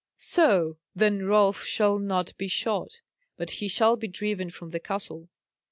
"So! Then Rolf shall not be shot, but he shall be driven from the castle."